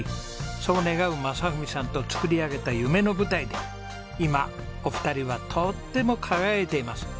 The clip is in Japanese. そう願う正文さんと作り上げた夢の舞台で今お二人はとっても輝いています。